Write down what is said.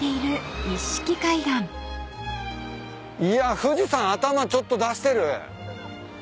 いや富士山頭ちょっと出してる！